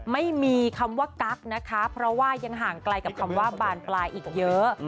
ไม่มีคำว่ากั๊กนะคะเพราะว่ายังห่างไกลกับคำว่าบานปลายอีกเยอะ